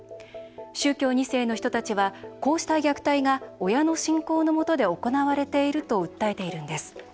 宗教２世の人たちはこうした虐待が親の信仰のもとで行われていると訴えているんです。